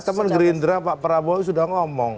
kan teman gerindra pak prabowo sudah mengajukan